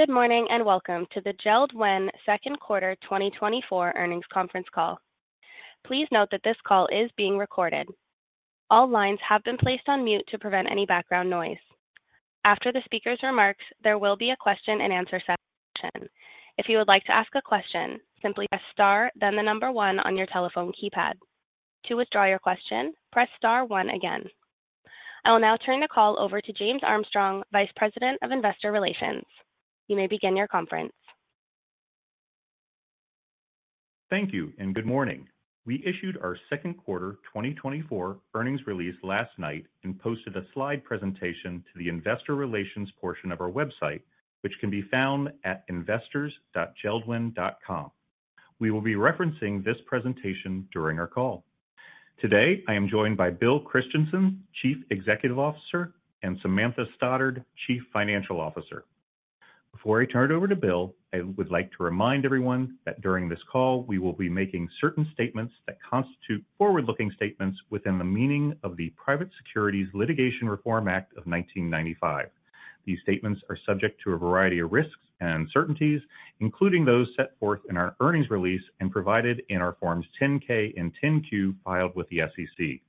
Good morning, and welcome to the JELD-WEN second quarter 2024 earnings conference call. Please note that this call is being recorded. All lines have been placed on mute to prevent any background noise. After the speaker's remarks, there will be a question and answer session. If you would like to ask a question, simply press star, then the number one on your telephone keypad. To withdraw your question, press star one again. I will now turn the call over to James Armstrong, Vice President of Investor Relations. You may begin your conference. Thank you, and good morning. We issued our second quarter 2024 earnings release last night and posted a slide presentation to the Investor Relations portion of our website, which can be found at investors.jeldwen.com. We will be referencing this presentation during our call. Today, I am joined by Bill Christensen, Chief Executive Officer, and Samantha Stoddard, Chief Financial Officer. Before I turn it over to Bill, I would like to remind everyone that during this call, we will be making certain statements that constitute forward-looking statements within the meaning of the Private Securities Litigation Reform Act of 1995. These statements are subject to a variety of risks and uncertainties, including those set forth in our earnings release and provided in our Forms 10-K and 10-Q filed with the SEC.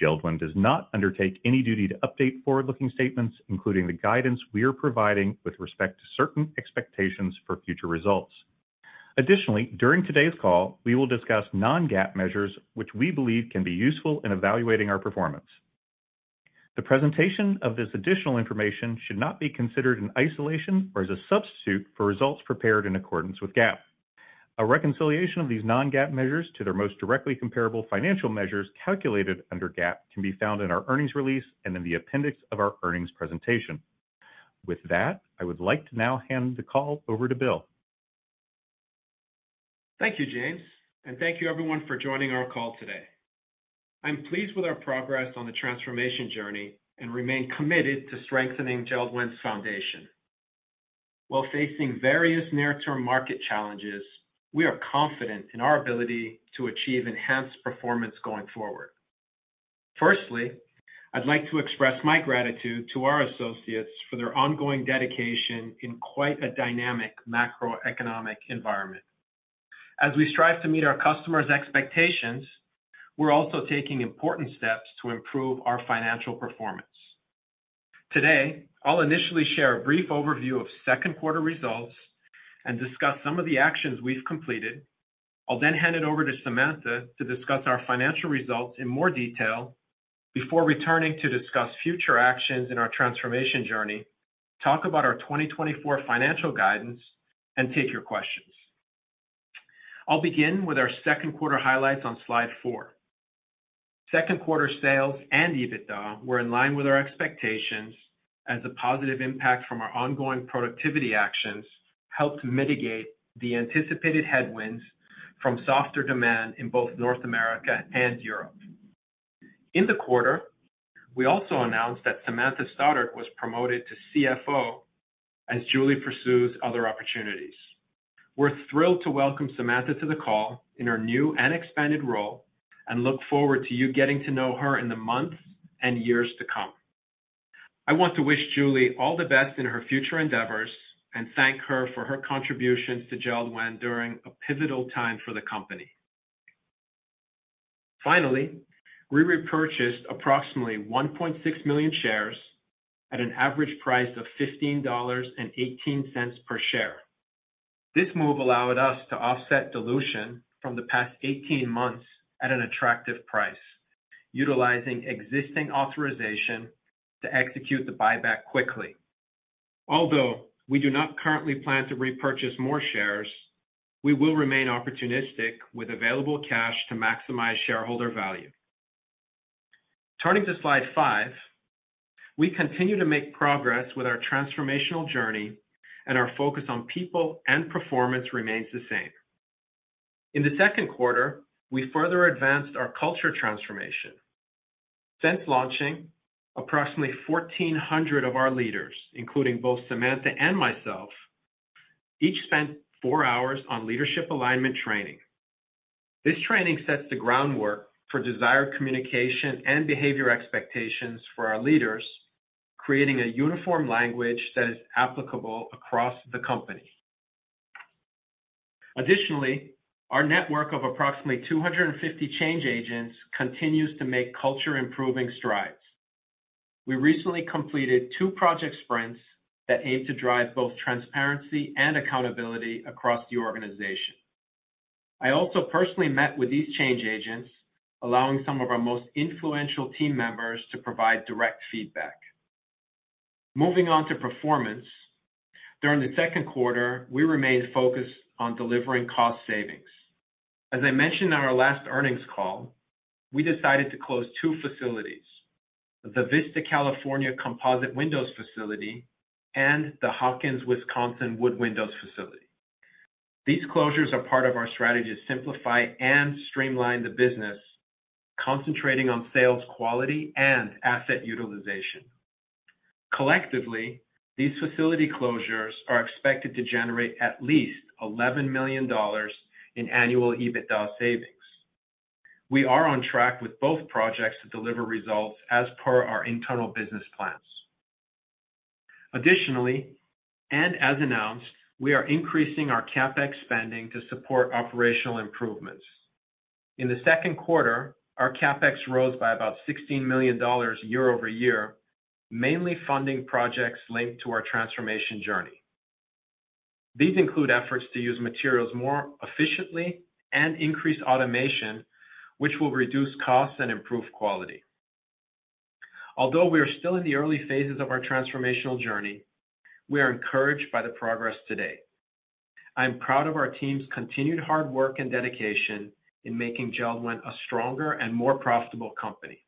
JELD-WEN does not undertake any duty to update forward-looking statements, including the guidance we are providing with respect to certain expectations for future results. Additionally, during today's call, we will discuss non-GAAP measures, which we believe can be useful in evaluating our performance. The presentation of this additional information should not be considered in isolation or as a substitute for results prepared in accordance with GAAP. A reconciliation of these non-GAAP measures to their most directly comparable financial measures calculated under GAAP can be found in our earnings release and in the appendix of our earnings presentation. With that, I would like to now hand the call over to Bill. Thank you, James, and thank you everyone for joining our call today. I'm pleased with our progress on the transformation journey and remain committed to strengthening JELD-WEN's foundation. While facing various near-term market challenges, we are confident in our ability to achieve enhanced performance going forward. Firstly, I'd like to express my gratitude to our associates for their ongoing dedication in quite a dynamic macroeconomic environment. As we strive to meet our customers' expectations, we're also taking important steps to improve our financial performance. Today, I'll initially share a brief overview of second quarter results and discuss some of the actions we've completed. I'll then hand it over to Samantha to discuss our financial results in more detail before returning to discuss future actions in our transformation journey, talk about our 2024 financial guidance, and take your questions. I'll begin with our second quarter highlights on Slide four Second quarter sales and EBITDA were in line with our expectations as a positive impact from our ongoing productivity actions helped mitigate the anticipated headwinds from softer demand in both North America and Europe. In the quarter, we also announced that Samantha Stoddard was promoted to CFO as Julie pursues other opportunities. We're thrilled to welcome Samantha to the call in her new and expanded role, and look forward to you getting to know her in the months and years to come. I want to wish Julie all the best in her future endeavors, and thank her for her contributions to JELD-WEN during a pivotal time for the company. Finally, we repurchased approximately 1.6 million shares at an average price of $15.18 per share. This move allowed us to offset dilution from the past 18 months at an attractive price, utilizing existing authorization to execute the buyback quickly. Although we do not currently plan to repurchase more shares, we will remain opportunistic with available cash to maximize shareholder value. Turning to slide five, we continue to make progress with our transformational journey, and our focus on people and performance remains the same. In the second quarter, we further advanced our culture transformation. Since launching, approximately 1,400 of our leaders, including both Samantha and myself, each spent fourhours on leadership alignment training. This training sets the groundwork for desired communication and behavior expectations for our leaders, creating a uniform language that is applicable across the company. Additionally, our network of approximately 250 change agents continues to make culture-improving strides. We recently completed two project sprints that aim to drive both transparency and accountability across the organization. I also personally met with these change agents, allowing some of our most influential team members to provide direct feedback. Moving on to performance. During the second quarter, we remained focused on delivering cost savings. As I mentioned in our last earnings call, we decided to close two facilities: the Vista, California, composite windows facility and the Hawkins, Wisconsin, wood windows facility. These closures are part of our strategy to simplify and streamline the business, concentrating on sales quality and asset utilization. Collectively, these facility closures are expected to generate at least $11 million in annual EBITDA savings. We are on track with both projects to deliver results as per our internal business plans. Additionally, and as announced, we are increasing our CapEx spending to support operational improvements. In the second quarter, our CapEx rose by about $16 million year-over-year, mainly funding projects linked to our transformation journey. These include efforts to use materials more efficiently and increase automation, which will reduce costs and improve quality. Although we are still in the early phases of our transformational journey, we are encouraged by the progress today. I am proud of our team's continued hard work and dedication in making JELD-WEN a stronger and more profitable company.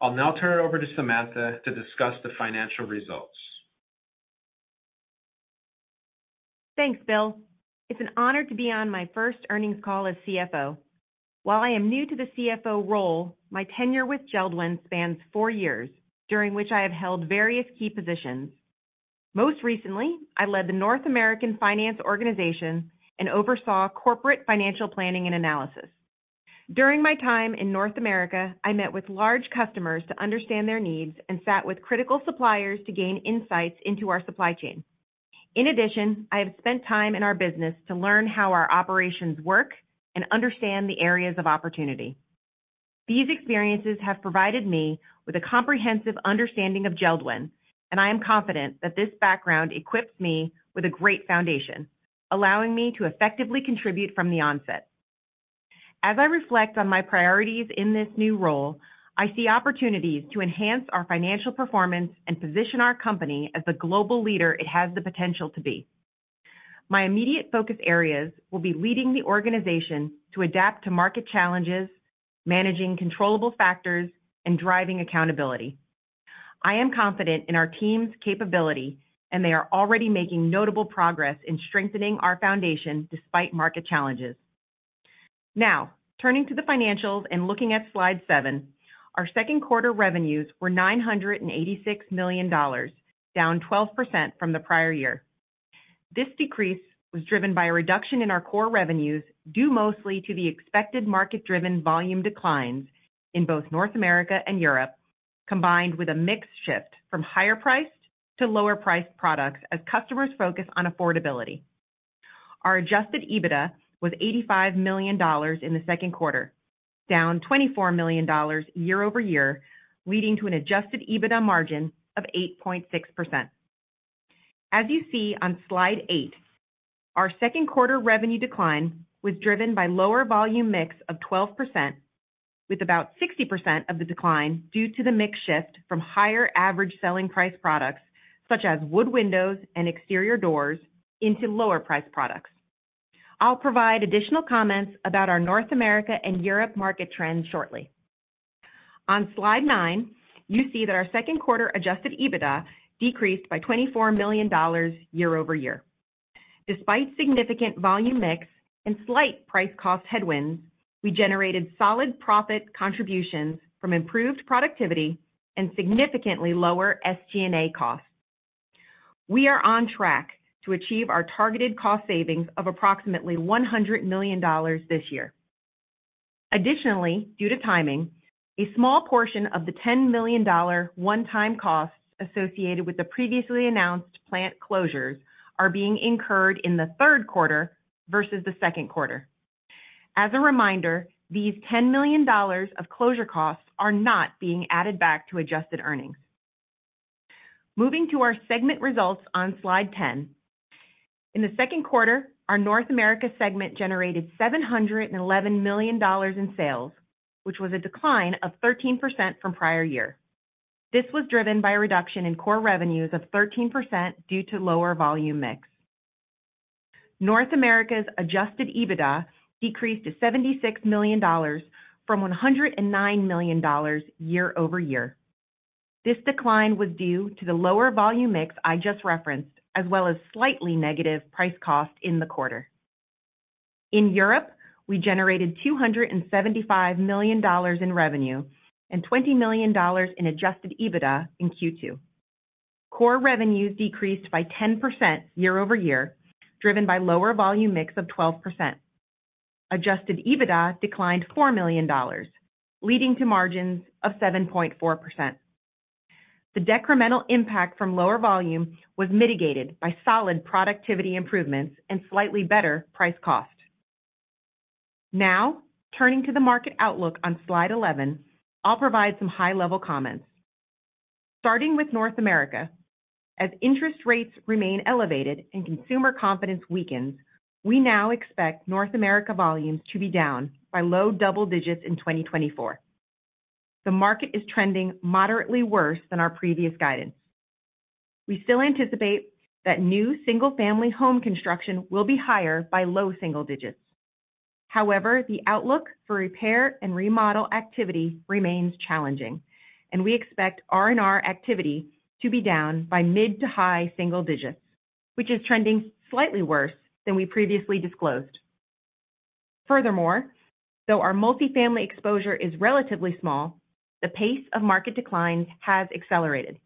I'll now turn it over to Samantha to discuss the financial results. Thanks, Bill. It's an honor to be on my first earnings call as CFO. While I am new to the CFO role, my tenure with JELD-WEN spans four years, during which I have held various key positions. Most recently, I led the North American finance organization and oversaw corporate financial planning and analysis. During my time in North America, I met with large customers to understand their needs and sat with critical suppliers to gain insights into our supply chain. In addition, I have spent time in our business to learn how our operations work and understand the areas of opportunity. These experiences have provided me with a comprehensive understanding of JELD-WEN, and I am confident that this background equips me with a great foundation, allowing me to effectively contribute from the onset. As I reflect on my priorities in this new role, I see opportunities to enhance our financial performance and position our company as the global leader it has the potential to be. My immediate focus areas will be leading the organization to adapt to market challenges, managing controllable factors, and driving accountability. I am confident in our team's capability, and they are already making notable progress in strengthening our foundation despite market challenges. Now, turning to the financials and looking at slide seven, our second quarter revenues were $986 million, down 12% from the prior year. This decrease was driven by a reduction in our core revenues, due mostly to the expected market-driven volume declines in both North America and Europe, combined with a mix shift from higher-priced to lower-priced products as customers focus on affordability. Our adjusted EBITDA was $85 million in the second quarter, down $24 million year-over-year, leading to an adjusted EBITDA margin of 8.6%. As you see on slide eight, our second quarter revenue decline was driven by lower volume mix of 12%, with about 60% of the decline due to the mix shift from higher average selling price products such as wood windows and exterior doors into lower-priced products. I'll provide additional comments about our North America and Europe market trends shortly. On Slide nine, you see that our second quarter adjusted EBITDA decreased by $24 million year-over-year. Despite significant volume mix and slight price cost headwinds, we generated solid profit contributions from improved productivity and significantly lower SG&A costs. We are on track to achieve our targeted cost savings of approximately $100 million this year. Additionally, due to timing, a small portion of the $10 million one-time costs associated with the previously announced plant closures are being incurred in the third quarter versus the second quarter. As a reminder, these $10 million of closure costs are not being added back to adjusted earnings. Moving to our segment results on slide 10. In the second quarter, our North America segment generated $711 million in sales, which was a decline of 13% from prior year. This was driven by a reduction in core revenues of 13% due to lower volume mix. North America's adjusted EBITDA decreased to $76 million from $109 million year-over-year. This decline was due to the lower volume mix I just referenced, as well as slightly negative price cost in the quarter. In Europe, we generated $275 million in revenue and $20 million in adjusted EBITDA in Q2. Core revenues decreased by 10% year-over-year, driven by lower volume mix of 12%. Adjusted EBITDA declined $4 million, leading to margins of 7.4%. The decremental impact from lower volume was mitigated by solid productivity improvements and slightly better price cost. Now, turning to the market outlook on slide 11, I'll provide some high-level comments. Starting with North America, as interest rates remain elevated and consumer confidence weakens, we now expect North America volumes to be down by low double digits in 2024. The market is trending moderately worse than our previous guidance. We still anticipate that new single-family home construction will be higher by low single digits. However, the outlook for repair and remodel activity remains challenging, and we expect R&R activity to be down by mid to high single digits, which is trending slightly worse than we previously disclosed. Furthermore, though our multifamily exposure is relatively small, the pace of market declines has accelerated.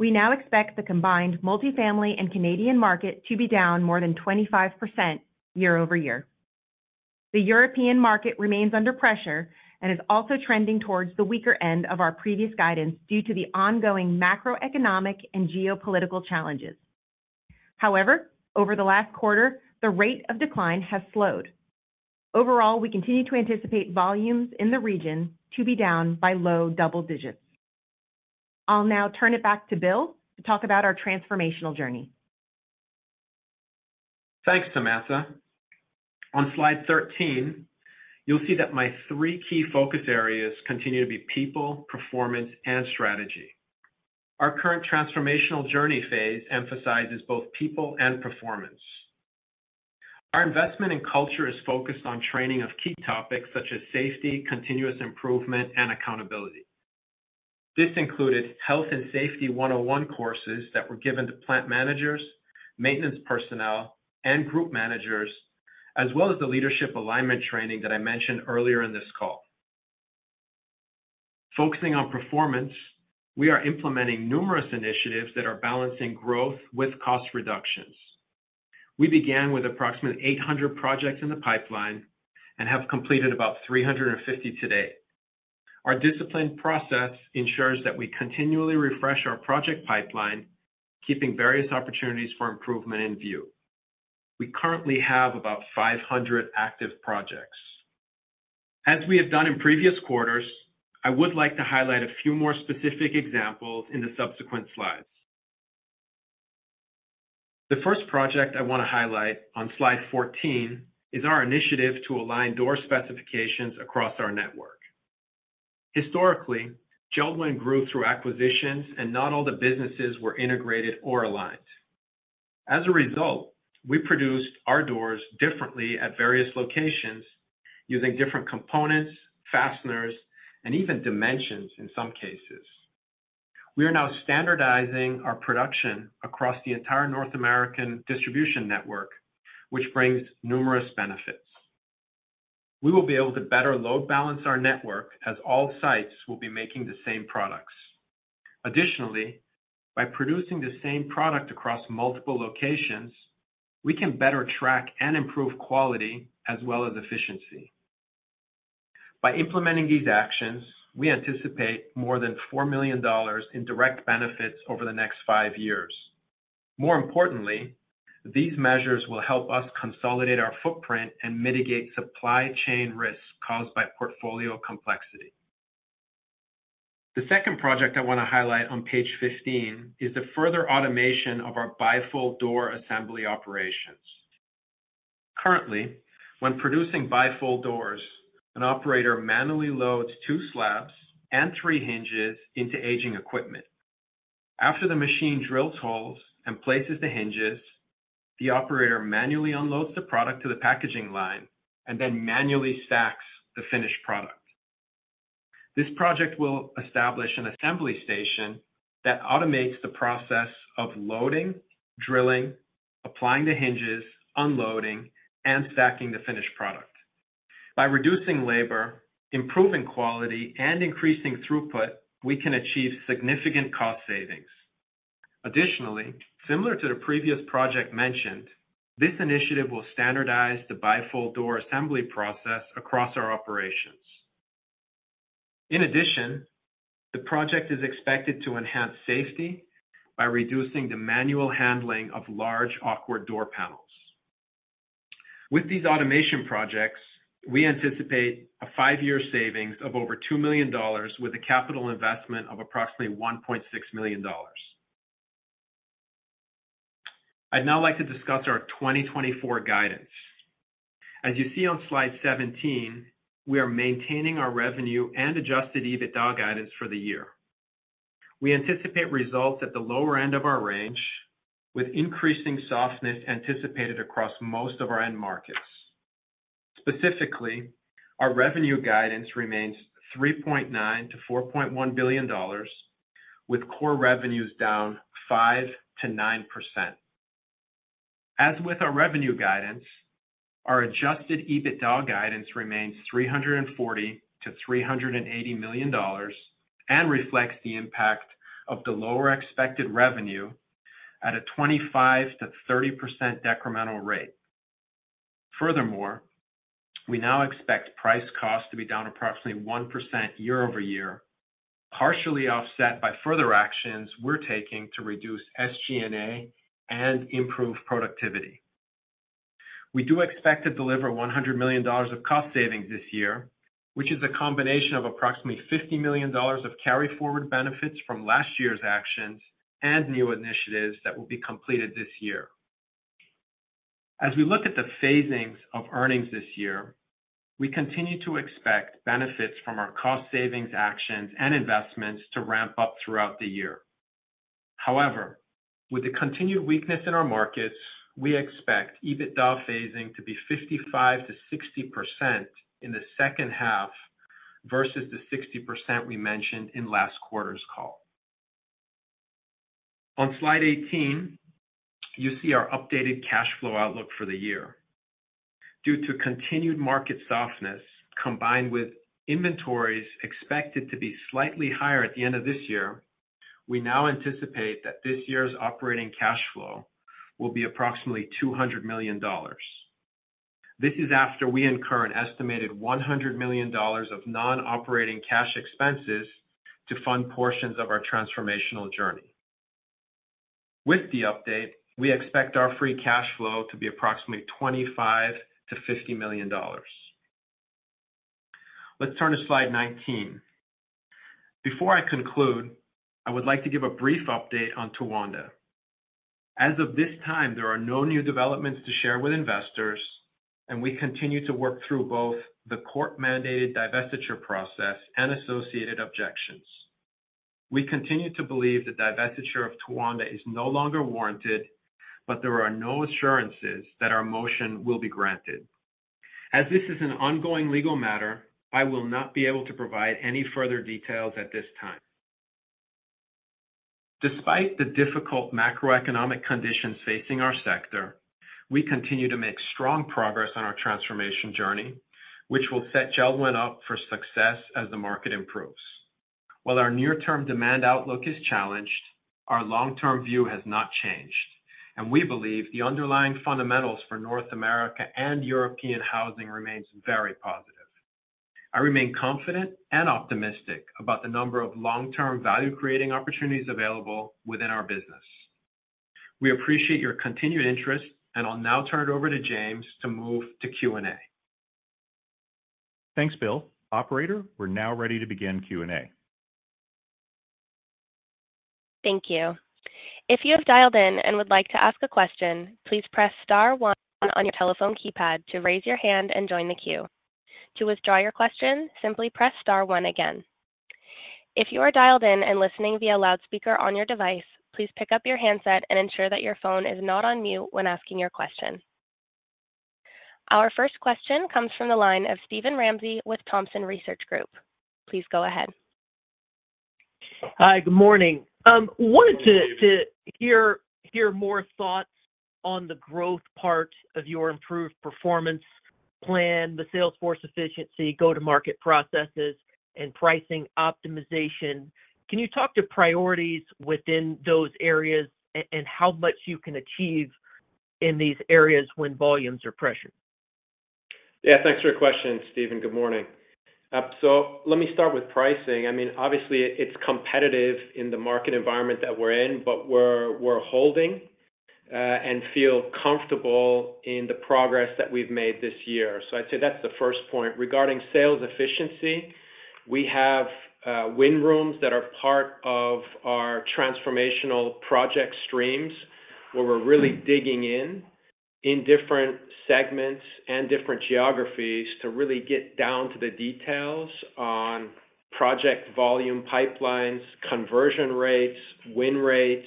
We now expect the combined multifamily and Canadian market to be down more than 25% year-over-year. The European market remains under pressure and is also trending towards the weaker end of our previous guidance due to the ongoing macroeconomic and geopolitical challenges. However, over the last quarter, the rate of decline has slowed. Overall, we continue to anticipate volumes in the region to be down by low double digits. I'll now turn it back to Bill to talk about our transformational journey. Thanks, Samantha. On slide 13, you'll see that my three key focus areas continue to be people, performance, and strategy. Our current transformational journey phase emphasizes both people and performance. Our investment in culture is focused on training of key topics such as safety, continuous improvement, and accountability. This included health and safety 101 courses that were given to plant managers, maintenance personnel, and group managers, as well as the leadership alignment training that I mentioned earlier in this call. Focusing on performance, we are implementing numerous initiatives that are balancing growth with cost reductions. We began with approximately 800 projects in the pipeline and have completed about 350 to date. Our disciplined process ensures that we continually refresh our project pipeline, keeping various opportunities for improvement in view. We currently have about 500 active projects. As we have done in previous quarters, I would like to highlight a few more specific examples in the subsequent slides. The first project I want to highlight on slide 14 is our initiative to align door specifications across our network. Historically, JELD-WEN grew through acquisitions, and not all the businesses were integrated or aligned. As a result, we produced our doors differently at various locations using different components, fasteners, and even dimensions in some cases. We are now standardizing our production across the entire North American distribution network, which brings numerous benefits. We will be able to better load balance our network as all sites will be making the same products. Additionally, by producing the same product across multiple locations, we can better track and improve quality as well as efficiency. By implementing these actions, we anticipate more than $4 million in direct benefits over the next five years. More importantly, these measures will help us consolidate our footprint and mitigate supply chain risks caused by portfolio complexity. The second project I want to highlight on page 15 is the further automation of our bi-fold door assembly operations. Currently, when producing bi-fold doors, an operator manually loads two slabs and three hinges into aging equipment. After the machine drills holes and places the hinges, the operator manually unloads the product to the packaging line and then manually stacks the finished product. This project will establish an assembly station that automates the process of loading, drilling, applying the hinges, unloading, and stacking the finished product. By reducing labor, improving quality, and increasing throughput, we can achieve significant cost savings. Additionally, similar to the previous project mentioned, this initiative will standardize the bi-fold door assembly process across our operations. In addition, the project is expected to enhance safety by reducing the manual handling of large, awkward door panels. With these automation projects, we anticipate a five-year savings of over $2 million with a capital investment of approximately $1.6 million. I'd now like to discuss our 2024 guidance. As you see on slide 17, we are maintaining our revenue and adjusted EBITDA guidance for the year. We anticipate results at the lower end of our range, with increasing softness anticipated across most of our end markets. Specifically, our revenue guidance remains $3.9 billion-$4.1 billion, with core revenues down 5%-9%. As with our revenue guidance, our adjusted EBITDA guidance remains $340 million-$380 million and reflects the impact of the lower expected revenue at a 25%-30% decremental rate. Furthermore, we now expect price cost to be down approximately 1% year-over-year, partially offset by further actions we're taking to reduce SG&A and improve productivity. We do expect to deliver $100 million of cost savings this year, which is a combination of approximately $50 million of carryforward benefits from last year's actions and new initiatives that will be completed this year. As we look at the phasings of earnings this year, we continue to expect benefits from our cost savings actions and investments to ramp up throughout the year. However, with the continued weakness in our markets, we expect EBITDA phasing to be 55%-60% in the second half versus the 60% we mentioned in last quarter's call. On slide 18, you see our updated cash flow outlook for the year. Due to continued market softness, combined with inventories expected to be slightly higher at the end of this year, we now anticipate that this year's operating cash flow will be approximately $200 million. This is after we incur an estimated $100 million of non-operating cash expenses to fund portions of our transformational journey. With the update, we expect our free cash flow to be approximately $25 million-$50 million. Let's turn to slide 19. Before I conclude, I would like to give a brief update on Towanda. As of this time, there are no new developments to share with investors, and we continue to work through both the court-mandated divestiture process and associated objections. We continue to believe the divestiture of Towanda is no longer warranted, but there are no assurances that our motion will be granted. As this is an ongoing legal matter, I will not be able to provide any further details at this time. Despite the difficult macroeconomic conditions facing our sector, we continue to make strong progress on our transformation journey, which will set JELD-WEN up for success as the market improves. While our near-term demand outlook is challenged, our long-term view has not changed, and we believe the underlying fundamentals for North America and European housing remains very positive. I remain confident and optimistic about the number of long-term value-creating opportunities available within our business. We appreciate your continued interest, and I'll now turn it over to James to move to Q&A. Thanks, Bill. Operator, we're now ready to begin Q&A. Thank you. If you have dialed in and would like to ask a question, please press star one on your telephone keypad to raise your hand and join the queue. To withdraw your question, simply press star one again. If you are dialed in and listening via loudspeaker on your device, please pick up your handset and ensure that your phone is not on mute when asking your question. Our first question comes from the line of Steven Ramsey with Thompson Research Group. Please go ahead. Hi, good morning. Wanted to hear more thoughts on the growth part of your improved performance plan, the sales force efficiency, go-to-market processes, and pricing optimization. Can you talk to priorities within those areas and how much you can achieve in these areas when volumes are pressured? Yeah, thanks for your question, Steven. Good morning. So let me start with pricing. I mean, obviously, it's competitive in the market environment that we're in, but we're holding, and feel comfortable in the progress that we've made this year. So I'd say that's the first point. Regarding sales efficiency, we have win rooms that are part of our transformational project streams, where we're really digging in different segments and different geographies to really get down to the details on project volume pipelines, conversion rates, win rates,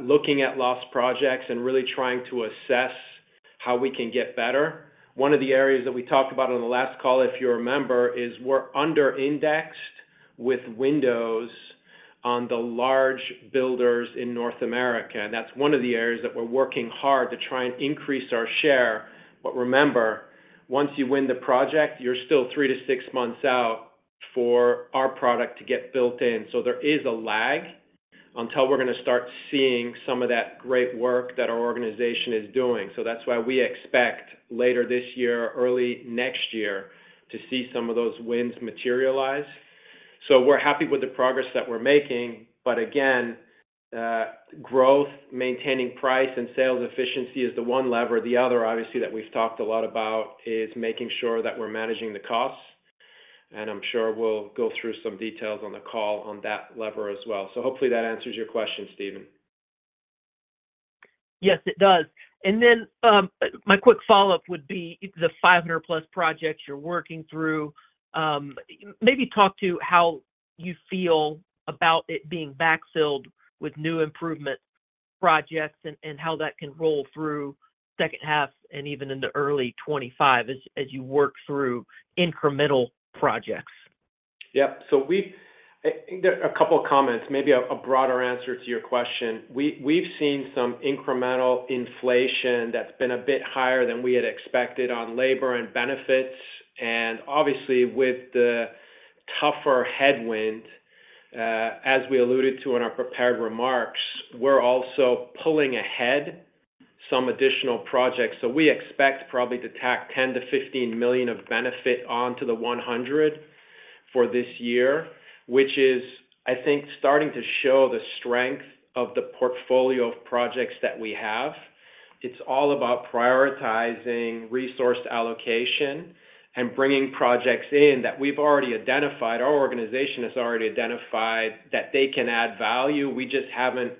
looking at lost projects, and really trying to assess how we can get better. One of the areas that we talked about on the last call, if you remember, is we're under-indexed with windows on the large builders in North America, and that's one of the areas that we're working hard to try and increase our share. But remember, once you win the project, you're still three-six months out for our product to get built in. So there is a lag until we're going to start seeing some of that great work that our organization is doing. So that's why we expect later this year or early next year to see some of those wins materialize. So we're happy with the progress that we're making, but again, growth, maintaining price and sales efficiency is the one lever. The other, obviously, that we've talked a lot about is making sure that we're managing the costs, and I'm sure we'll go through some details on the call on that lever as well. So hopefully that answers your question, Steven. Yes, it does. And then, my quick follow-up would be the 500+ projects you're working through. Maybe talk to how you feel about it being backfilled with new improvement projects and how that can roll through second half and even into early 2025 as you work through incremental projects? Yep. So we've a couple of comments, maybe a broader answer to your question. We've seen some incremental inflation that's been a bit higher than we had expected on labor and benefits, and obviously, with the tougher headwind, as we alluded to in our prepared remarks, we're also pulling ahead some additional projects. So we expect probably to tack $10 million-$15 million of benefit onto the $100 million for this year, which is, I think, starting to show the strength of the portfolio of projects that we have. It's all about prioritizing resource allocation and bringing projects in that we've already identified. Our organization has already identified that they can add value, we just haven't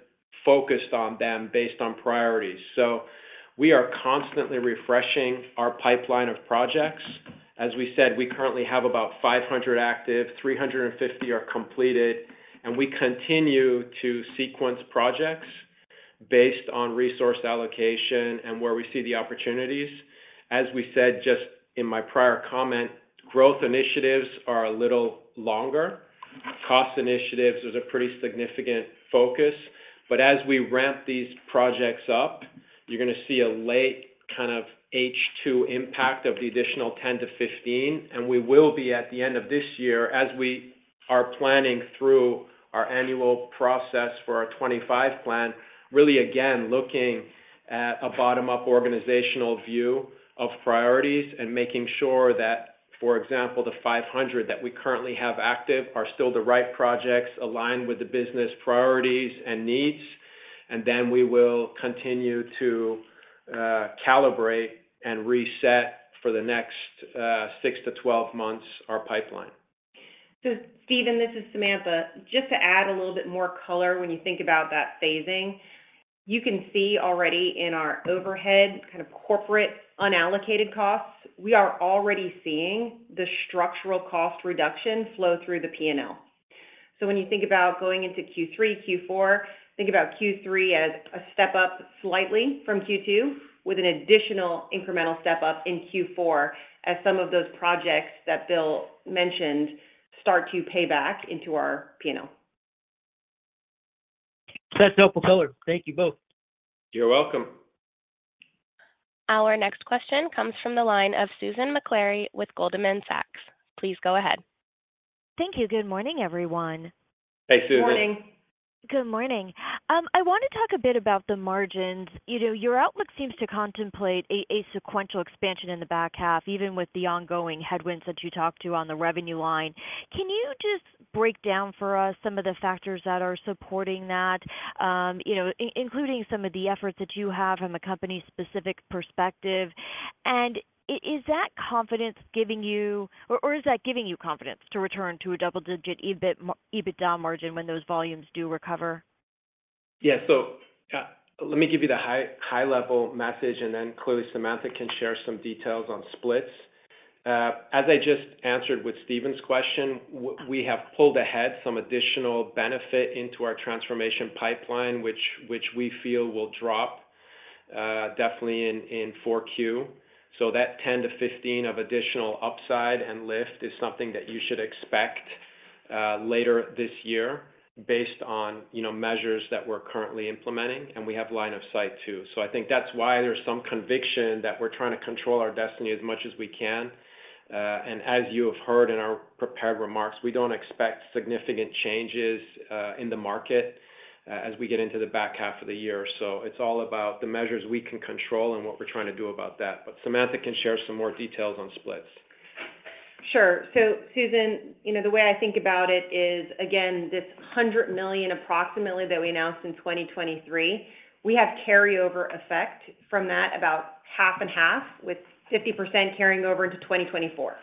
focused on them based on priorities. So we are constantly refreshing our pipeline of projects. As we said, we currently have about 500 active, 350 are completed, and we continue to sequence projects based on resource allocation and where we see the opportunities. As we said, just in my prior comment, growth initiatives are a little longer. Cost initiatives was a pretty significant focus. But as we ramp these projects up, you're gonna see a late kind of H2 impact of the additional 10-15, and we will be at the end of this year, as we are planning through our annual process for our 2025 plan, really, again, looking at a bottom-up organizational view of priorities and making sure that, for example, the 500 that we currently have active are still the right projects aligned with the business priorities and needs. And then we will continue to calibrate and reset for the next six-12 months, our pipeline. So, Steven, this is Samantha. Just to add a little bit more color when you think about that phasing, you can see already in our overhead, kind of corporate unallocated costs, we are already seeing the structural cost reduction flow through the P&L. So when you think about going into Q3, Q4, think about Q3 as a step up slightly from Q2, with an additional incremental step up in Q4, as some of those projects that Bill mentioned start to pay back into our P&L. That's helpful color. Thank you both. You're welcome. Our next question comes from the line of Susan Maklari with Goldman Sachs. Please go ahead. Thank you. Good morning, everyone. Hey, Susan. Morning. Good morning. I want to talk a bit about the margins. You know, your outlook seems to contemplate a sequential expansion in the back half, even with the ongoing headwinds that you talked to on the revenue line. Can you just break down for us some of the factors that are supporting that, you know, including some of the efforts that you have from a company-specific perspective? Is that confidence giving you... or is that giving you confidence to return to a double-digit EBITDA margin when those volumes do recover? Yeah. So, let me give you the high level message, and then clearly, Samantha can share some details on splits. As I just answered with Steven's question, we have pulled ahead some additional benefit into our transformation pipeline, which we feel will drop definitely in 4Q. So that 10-15 of additional upside and lift is something that you should expect later this year based on, you know, measures that we're currently implementing, and we have line of sight, too. So I think that's why there's some conviction that we're trying to control our destiny as much as we can. And as you have heard in our prepared remarks, we don't expect significant changes in the market as we get into the back half of the year. It's all about the measures we can control and what we're trying to do about that. Samantha can share some more details on splits. Sure. So, Susan, you know, the way I think about it is, again, this $100 million, approximately, that we announced in 2023, we have carryover effect from that about half and half, with 50% carrying over into 2024.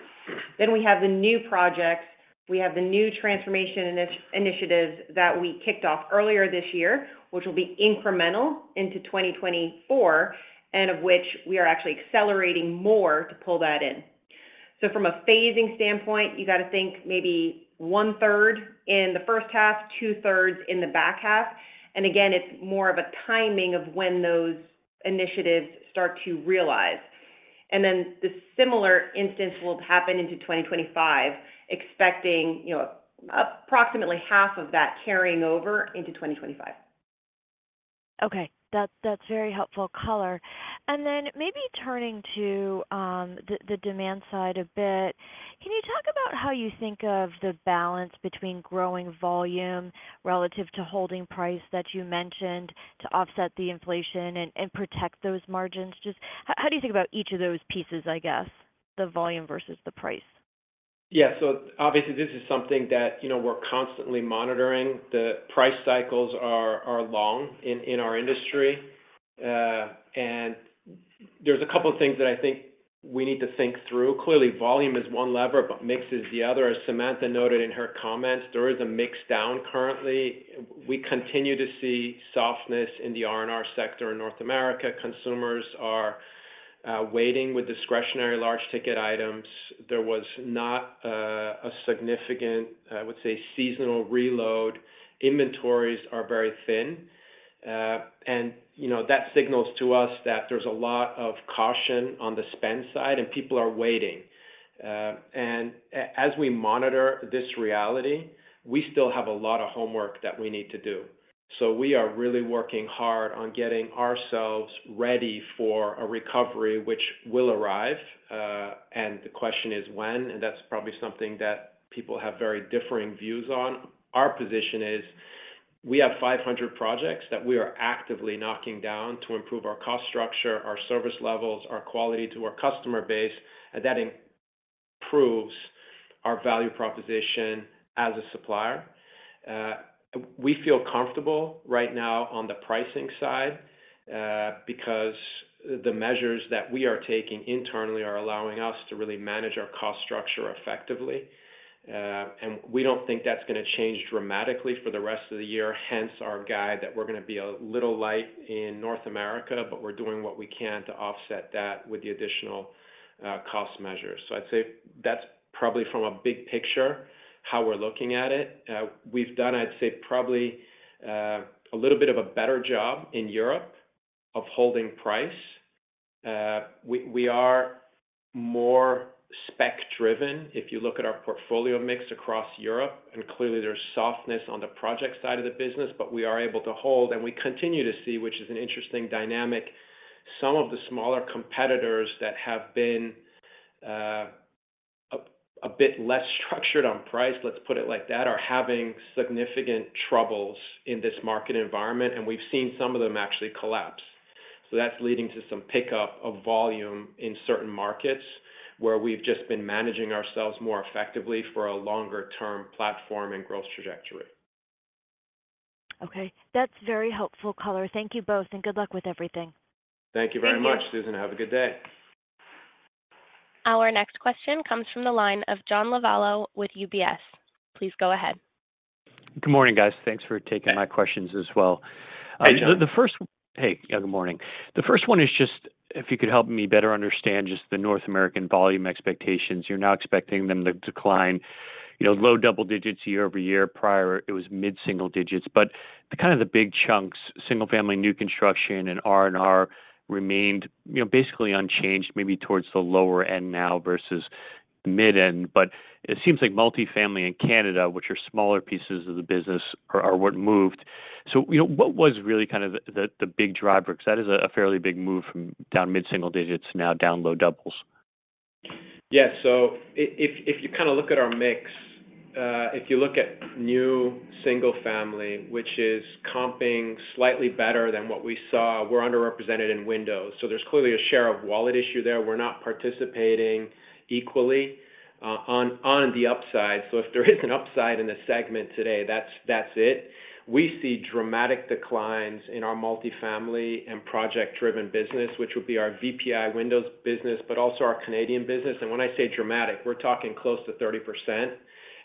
Then we have the new projects. We have the new transformation initiatives that we kicked off earlier this year, which will be incremental into 2024, and of which we are actually accelerating more to pull that in. So from a phasing standpoint, you got to think maybe 1/3 in the first half, 2/3 in the back half. And again, it's more of a timing of when those initiatives start to realize. And then the similar instance will happen into 2025, expecting, you know, approximately half of that carrying over into 2025. Okay. That's very helpful color. And then maybe turning to the demand side a bit, can you talk about how you think of the balance between growing volume relative to holding price that you mentioned to offset the inflation and protect those margins? Just how do you think about each of those pieces, I guess, the volume versus the price? Yeah. So obviously, this is something that, you know, we're constantly monitoring. The price cycles are long in our industry, and there's a couple of things that I think we need to think through. Clearly, volume is one lever, but mix is the other. As Samantha noted in her comments, there is a mix down currently. We continue to see softness in the R&R sector in North America. Consumers are waiting with discretionary large ticket items. There was not a significant, I would say, seasonal reload. Inventories are very thin, and, you know, that signals to us that there's a lot of caution on the spend side, and people are waiting. And as we monitor this reality, we still have a lot of homework that we need to do. So we are really working hard on getting ourselves ready for a recovery which will arrive, and the question is when, and that's probably something that people have very differing views on. Our position is we have 500 projects that we are actively knocking down to improve our cost structure, our service levels, our quality to our customer base, and that improves our value proposition as a supplier. We feel comfortable right now on the pricing side, because the measures that we are taking internally are allowing us to really manage our cost structure effectively. And we don't think that's gonna change dramatically for the rest of the year, hence our guide that we're gonna be a little light in North America, but we're doing what we can to offset that with the additional cost measures. So I'd say that's probably from a big picture, how we're looking at it. We've done, I'd say, probably, a little bit of a better job in Europe of holding price. We are more spec-driven. If you look at our portfolio mix across Europe, and clearly there's softness on the project side of the business, but we are able to hold, and we continue to see, which is an interesting dynamic. Some of the smaller competitors that have been a bit less structured on price, let's put it like that, are having significant troubles in this market environment, and we've seen some of them actually collapse. So that's leading to some pickup of volume in certain markets, where we've just been managing ourselves more effectively for a longer-term platform and growth trajectory. Okay, that's very helpful color. Thank you both, and good luck with everything. Thank you very much, Susan. Thank you. Have a good day. Our next question comes from the line of John Lovallo with UBS. Please go ahead. Good morning, guys. Thanks for taking my questions as well. Hi, John. Hey, good morning. The first one is just if you could help me better understand just the North American volume expectations. You're now expecting them to decline, you know, low double digits year-over-year. Prior, it was mid-single digits. But the kind of the big chunks, single family, new construction, and R&R, remained, you know, basically unchanged, maybe towards the lower end now versus mid-end. But it seems like multifamily in Canada, which are smaller pieces of the business are what moved. So, you know, what was really kind of the big driver? 'Cause that is a fairly big move from down mid-single digits to now down low doubles. Yeah. So if you kind of look at our mix, if you look at new single-family, which is comping slightly better than what we saw, we're underrepresented in windows. So there's clearly a share of wallet issue there. We're not participating equally on the upside. So if there is an upside in the segment today, that's it. We see dramatic declines in our multifamily and project-driven business, which would be our VPI windows business, but also our Canadian business. And when I say dramatic, we're talking close to 30%.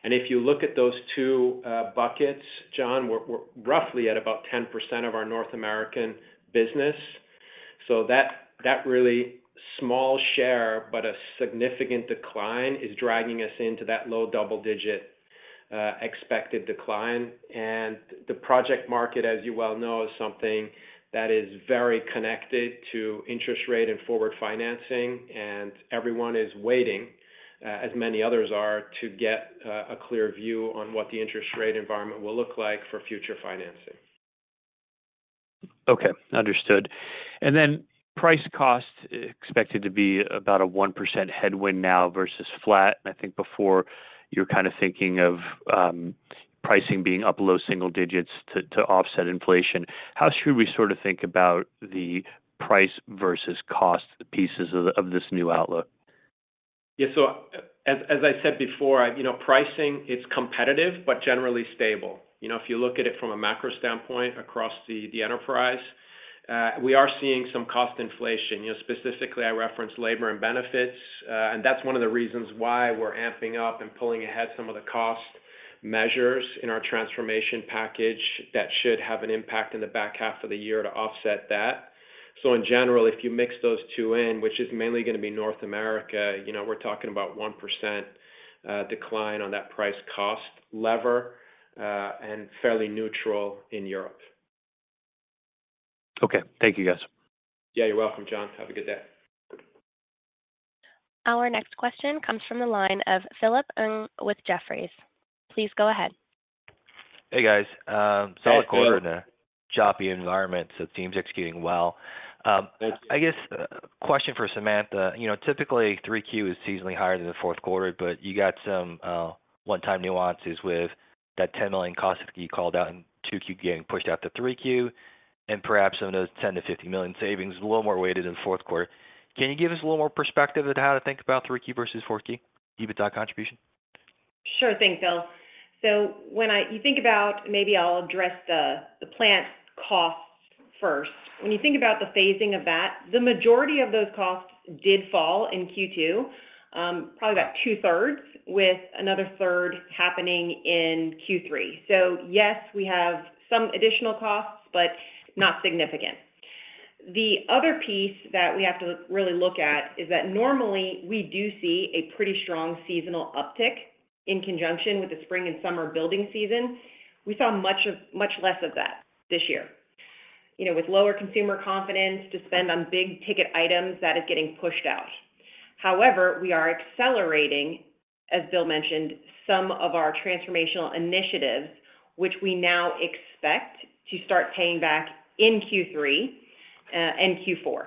And if you look at those two buckets, John, we're roughly at about 10% of our North American business. So that really small share, but a significant decline, is dragging us into that low double-digit expected decline. The project market, as you well know, is something that is very connected to interest rate and forward financing, and everyone is waiting, as many others are, to get a clear view on what the interest rate environment will look like for future financing. Okay, understood. Then price cost expected to be about a 1% headwind now versus flat. I think before, you were kind of thinking of pricing being up low single digits to offset inflation. How should we sort of think about the price versus cost pieces of this new outlook? Yeah. So as I said before, you know, pricing, it's competitive but generally stable. You know, if you look at it from a macro standpoint across the enterprise, we are seeing some cost inflation. You know, specifically, I referenced labor and benefits, and that's one of the reasons why we're amping up and pulling ahead some of the cost measures in our transformation package that should have an impact in the back half of the year to offset that. So in general, if you mix those two in, which is mainly gonna be North America, you know, we're talking about 1% decline on that price-cost lever, and fairly neutral in Europe. Okay. Thank you, guys. Yeah, you're welcome, John. Have a good day. Our next question comes from the line of Philip Ng with Jefferies. Please go ahead. Hey, guys. Hey, Phil. Solid quarter in a choppy environment, so the team's executing well. Thank you. I guess, question for Samantha. You know, typically, 3Q is seasonally higher than the fourth quarter, but you got some, one-time nuances with that $10 million cost that you called out in 2Q getting pushed out to 3Q, and perhaps some of those $10 million-$50 million savings, a little more weighted in the fourth quarter. Can you give us a little more perspective on how to think about 3Q versus 4Q EBITDA contribution? Sure thing, Phil. So when you think about... maybe I'll address the plant costs first. When you think about the phasing of that, the majority of those costs did fall in Q2, probably about 2/3, with another 1/3 happening in Q3. So yes, we have some additional costs, but not significant. The other piece that we have to really look at is that normally we do see a pretty strong seasonal uptick in conjunction with the spring and summer building season. We saw much less of that this year. You know, with lower consumer confidence to spend on big-ticket items, that is getting pushed out. However, we are accelerating, as Bill mentioned, some of our transformational initiatives, which we now expect to start paying back in Q3 and Q4.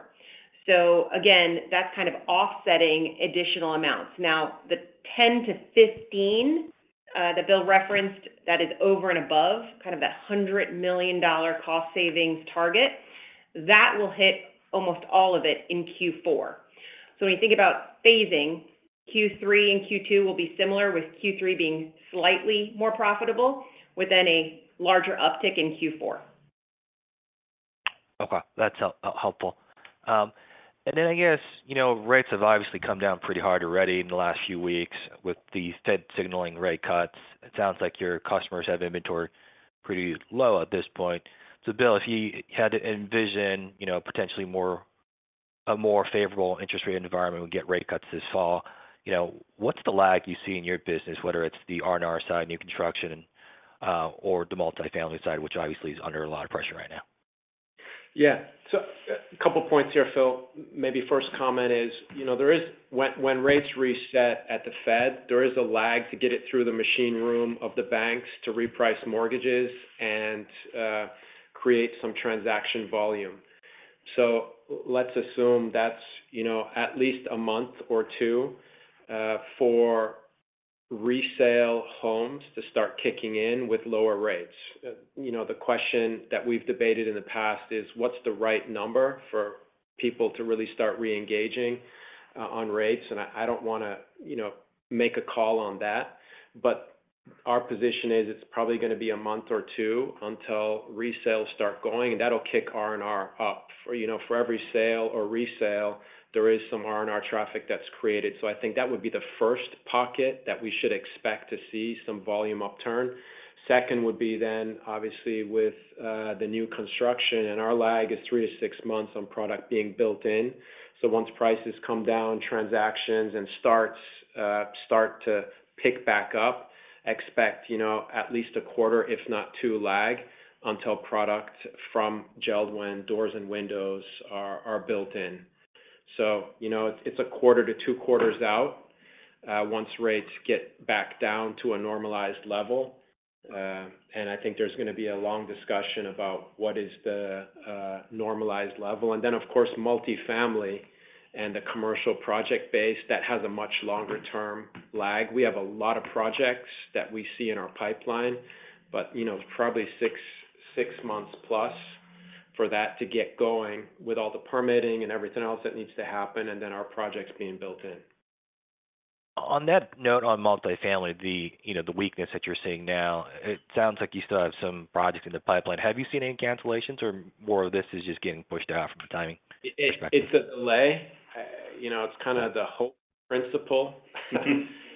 So again, that's kind of offsetting additional amounts. Now, the 10-15 that Bill referenced, that is over and above, kind of that $100 million cost savings target, that will hit almost all of it in Q4. So when you think about phasing, Q3 and Q2 will be similar, with Q3 being slightly more profitable, with then a larger uptick in Q4. Okay, that's helpful. And then I guess, you know, rates have obviously come down pretty hard already in the last few weeks with the Fed signaling rate cuts. It sounds like your customers have inventory pretty low at this point. So Bill, if you had to envision, you know, potentially a more favorable interest rate environment, we get rate cuts this fall, you know, what's the lag you see in your business, whether it's the R&R side, new construction, or the multifamily side, which obviously is under a lot of pressure right now? Yeah. So a couple points here, Phil. Maybe first comment is, you know, there is, when rates reset at the Fed, there is a lag to get it through the machine room of the banks to reprice mortgages and create some transaction volume. So let's assume that's, you know, at least a month or two for resale homes to start kicking in with lower rates. You know, the question that we've debated in the past is, what's the right number for people to really start reengaging on rates? And I don't wanna, you know, make a call on that, but our position is it's probably gonna be a month or two until resales start going, and that'll kick R&R up. For, you know, for every sale or resale, there is some R&R traffic that's created. So I think that would be the first pocket that we should expect to see some volume upturn. Second would be then, obviously, with the new construction, and our lag is three-six months on product being built in. So once prices come down, transactions and starts start to pick back up, expect, you know, at least a quarter, if not two, lag until product from JELD-WEN doors and windows are built in. So, you know, it's a quarter to two quarters out, once rates get back down to a normalized level. And I think there's gonna be a long discussion about what is the normalized level. And then, of course, multifamily and the commercial project base, that has a much longer-term lag. We have a lot of projects that we see in our pipeline, but, you know, probably six, six months plus for that to get going with all the permitting and everything else that needs to happen, and then our projects being built in. On that note, on multifamily, you know, the weakness that you're seeing now, it sounds like you still have some projects in the pipeline. Have you seen any cancellations, or more of this is just getting pushed out from the timing perspective? It's a delay. You know, it's kind of the whole principle,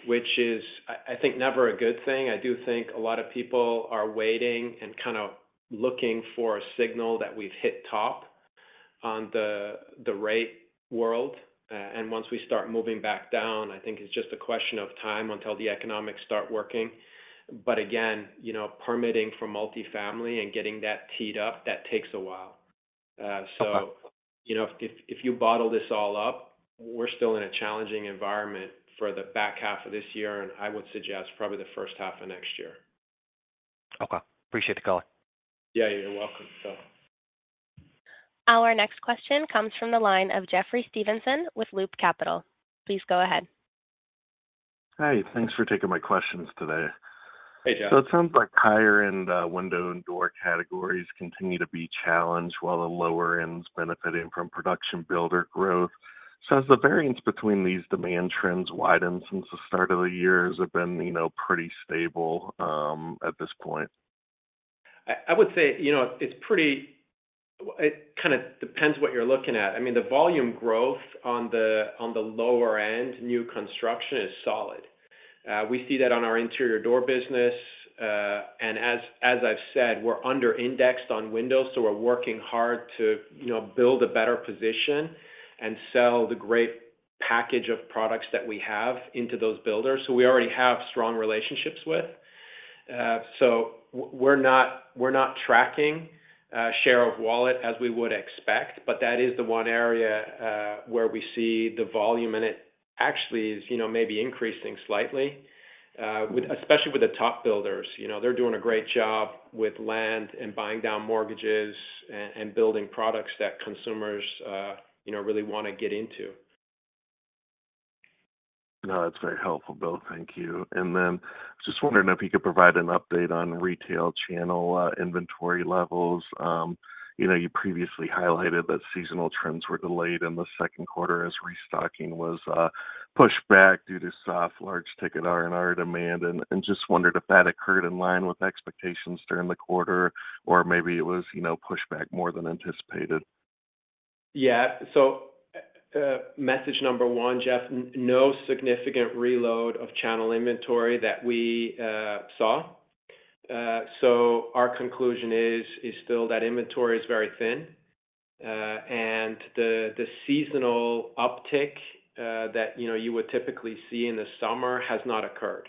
which is, I think, never a good thing. I do think a lot of people are waiting and kind of looking for a signal that we've hit top on the rate world. And once we start moving back down, I think it's just a question of time until the economics start working. But again, you know, permitting for multifamily and getting that teed up, that takes a while. So, you know, if you bottle this all up, we're still in a challenging environment for the back half of this year, and I would suggest probably the first half of next year. Okay. Appreciate the color. Yeah, you're welcome, Phil. Our next question comes from the line of Jeffrey Stevenson with Loop Capital. Please go ahead. Hi, thanks for taking my questions today. Hey, Jeff. So it sounds like higher-end window and door categories continue to be challenged, while the lower end's benefiting from production builder growth. So has the variance between these demand trends widened since the start of the year or has it been, you know, pretty stable at this point? I would say, you know, it's pretty, it kind of depends what you're looking at. I mean, the volume growth on the lower end, new construction, is solid. We see that on our interior door business. And as I've said, we're under-indexed on windows, so we're working hard to, you know, build a better position and sell the great package of products that we have into those builders who we already have strong relationships with. So we're not tracking share of wallet as we would expect, but that is the one area where we see the volume, and it actually is, you know, maybe increasing slightly, especially with the top builders. You know, they're doing a great job with land and buying down mortgages and building products that consumers, you know, really wanna get into. No, that's very helpful, Bill. Thank you. And then just wondering if you could provide an update on retail channel inventory levels. You know, you previously highlighted that seasonal trends were delayed in the second quarter as restocking was pushed back due to soft large-ticket R&R demand. And just wondered if that occurred in line with expectations during the quarter, or maybe it was, you know, pushed back more than anticipated? Yeah. So, message number one, Jeff, no significant reload of channel inventory that we saw. So our conclusion is still that inventory is very thin, and the seasonal uptick that, you know, you would typically see in the summer has not occurred.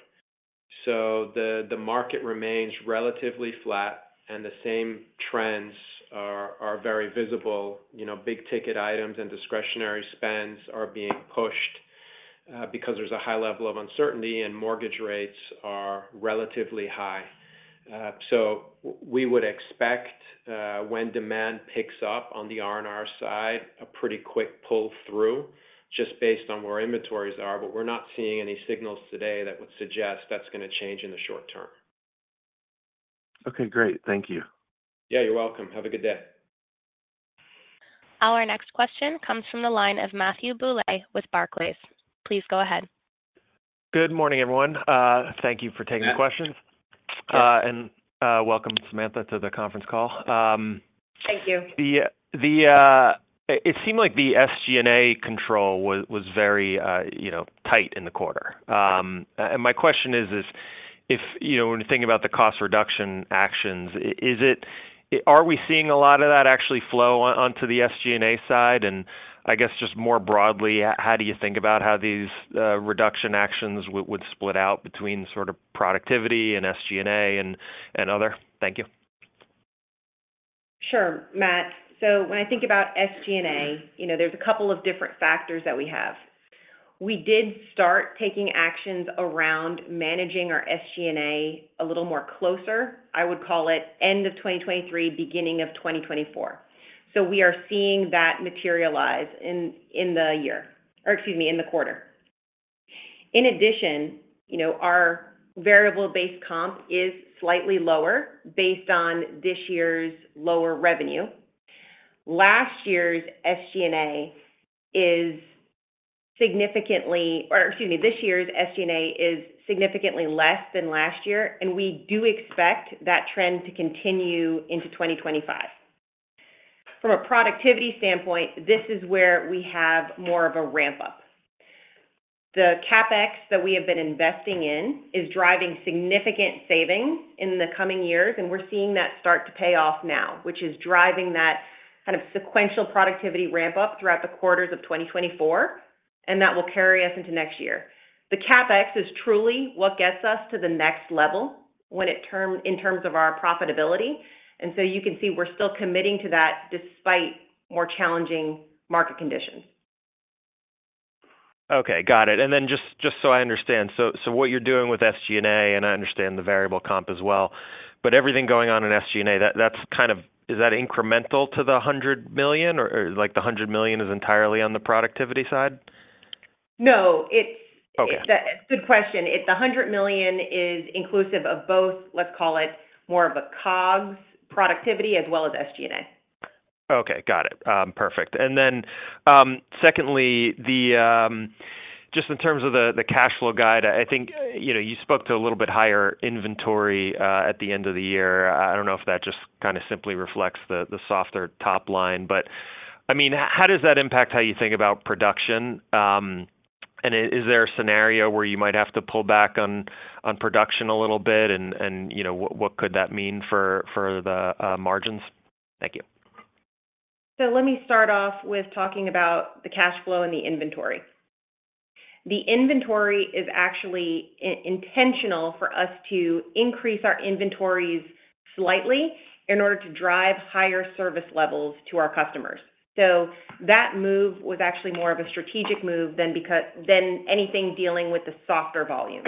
So the market remains relatively flat, and the same trends are very visible. You know, big-ticket items and discretionary spends are being pushed because there's a high level of uncertainty, and mortgage rates are relatively high. So we would expect, when demand picks up on the R&R side, a pretty quick pull-through, just based on where inventories are, but we're not seeing any signals today that would suggest that's gonna change in the short term. Okay, great. Thank you. Yeah, you're welcome. Have a good day. Our next question comes from the line of Matthew Bouley with Barclays. Please go ahead. Good morning, everyone. Thank you for taking the questions. Yeah. Welcome, Samantha, to the conference call. Thank you. It seemed like the SG&A control was very, you know, tight in the quarter. And my question is, if, you know, when you're thinking about the cost reduction actions, is it, are we seeing a lot of that actually flow onto the SG&A side? And I guess just more broadly, how do you think about how these reduction actions would split out between sort of productivity and SG&A and other? Thank you. Sure, Matt. So when I think about SG&A, you know, there's a couple of different factors that we have. We did start taking actions around managing our SG&A a little more closer. I would call it end of 2023, beginning of 2024. So we are seeing that materialize in the year-- or excuse me, in the quarter. In addition, you know, our variable base comp is slightly lower based on this year's lower revenue. Last year's SG&A is significantly... or excuse me, this year's SG&A is significantly less than last year, and we do expect that trend to continue into 2025. From a productivity standpoint, this is where we have more of a ramp-up. The CapEx that we have been investing in is driving significant savings in the coming years, and we're seeing that start to pay off now, which is driving that kind of sequential productivity ramp-up throughout the quarters of 2024, and that will carry us into next year. The CapEx is truly what gets us to the next level in terms of our profitability, and so you can see we're still committing to that despite more challenging market conditions. Okay, got it. And then just so I understand, so what you're doing with SG&A, and I understand the variable comp as well, but everything going on in SG&A, that's kind of... is that incremental to the $100 million, or like, the $100 million is entirely on the productivity side? No, it's- Okay. It's a good question. It's the $100 million is inclusive of both, let's call it more of a COGS productivity as well as SG&A. Okay, got it. Perfect. And then, secondly, just in terms of the cash flow guide, I think, you know, you spoke to a little bit higher inventory at the end of the year. I don't know if that just kinda simply reflects the softer top line. But, I mean, how does that impact how you think about production? And is there a scenario where you might have to pull back on production a little bit? And, you know, what could that mean for the margins? Thank you. So let me start off with talking about the cash flow and the inventory. The inventory is actually intentional for us to increase our inventories slightly in order to drive higher service levels to our customers. So that move was actually more of a strategic move than anything dealing with the softer volume.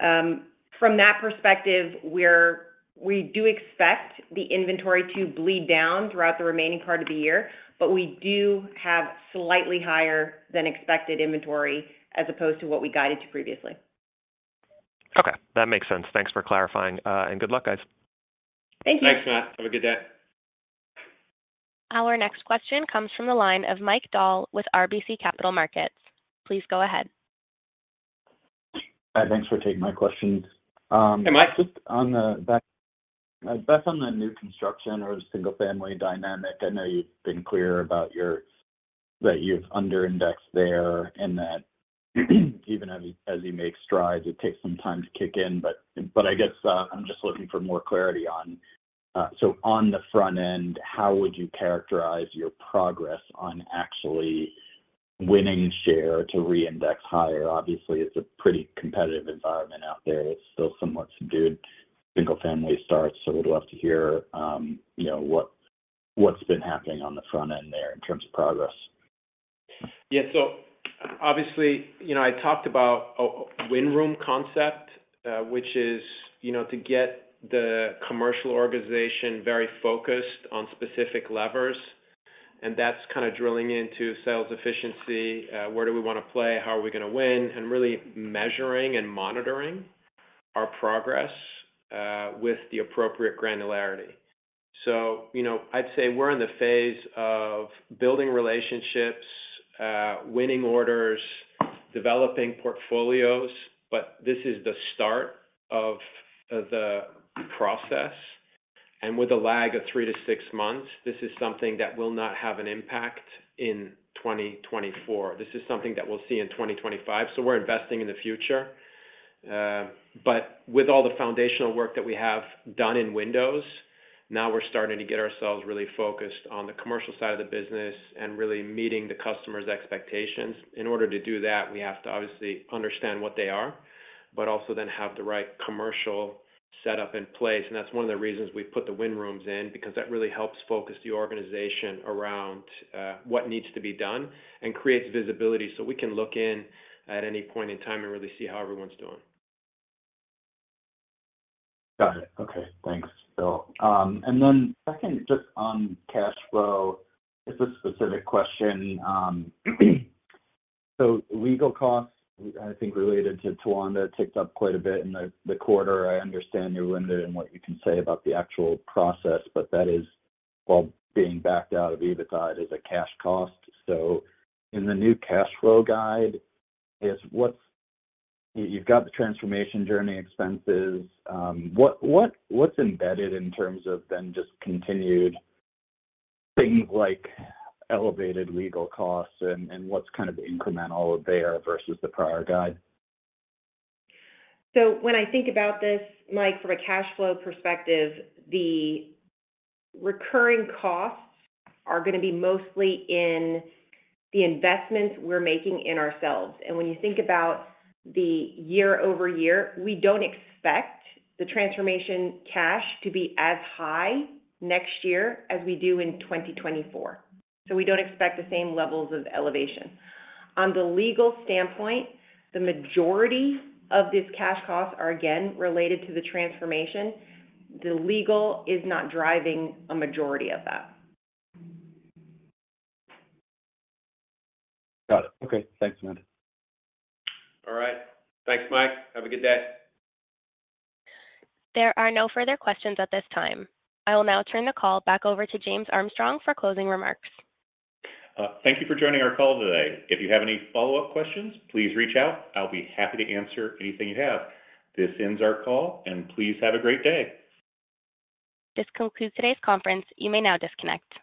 From that perspective, we do expect the inventory to bleed down throughout the remaining part of the year, but we do have slightly higher than expected inventory as opposed to what we guided to previously. Okay, that makes sense. Thanks for clarifying, and good luck, guys. Thank you. Thanks, Matt. Have a good day. Our next question comes from the line of Mike Dahl with RBC Capital Markets. Please go ahead. Hi, thanks for taking my questions. Hey, Mike. Just on the back on the new construction or the single-family dynamic, I know you've been clear that you've underindexed there, and that even as you make strides, it takes some time to kick in. But I guess I'm just looking for more clarity on— so on the front end, how would you characterize your progress on actually winning share to reindex higher? Obviously, it's a pretty competitive environment out there. It's still somewhat subdued single-family starts, so we'd love to hear you know what's been happening on the front end there in terms of progress. Yeah. So obviously, you know, I talked about a win room concept, which is, you know, to get the commercial organization very focused on specific levers, and that's kind of drilling into sales efficiency, where do we wanna play, how are we gonna win, and really measuring and monitoring our progress with the appropriate granularity. So, you know, I'd say we're in the phase of building relationships, winning orders, developing portfolios, but this is the start of the process. And with a lag of three-six months, this is something that will not have an impact in 2024. This is something that we'll see in 2025, so we're investing in the future. But with all the foundational work that we have done in windows, now we're starting to get ourselves really focused on the commercial side of the business and really meeting the customer's expectations. In order to do that, we have to obviously understand what they are, but also then have the right commercial setup in place, and that's one of the reasons we've put the win rooms in, because that really helps focus the organization around, what needs to be done and creates visibility, so we can look in at any point in time and really see how everyone's doing. Got it. Okay. Thanks, Bill. And then second, just on cash flow, it's a specific question. So legal costs, I think, related to Towanda ticked up quite a bit in the quarter. I understand you're limited in what you can say about the actual process, but that is all being backed out of EBITDA as a cash cost. So in the new cash flow guide, is what's... you've got the transformation journey expenses. What's embedded in terms of then just continued things like elevated legal costs and what's kind of incremental there versus the prior guide? When I think about this, Mike, from a cash flow perspective, the recurring costs are gonna be mostly in the investments we're making in ourselves. When you think about the year-over-year, we don't expect the transformation cash to be as high next year as we do in 2024. We don't expect the same levels of elevation. On the legal standpoint, the majority of these cash costs are, again, related to the transformation. The legal is not driving a majority of that. Got it. Okay. Thanks, Samantha. All right. Thanks, Mike. Have a good day. There are no further questions at this time. I will now turn the call back over to James Armstrong for closing remarks. Thank you for joining our call today. If you have any follow-up questions, please reach out. I'll be happy to answer anything you have. This ends our call, and please have a great day. This concludes today's conference. You may now disconnect.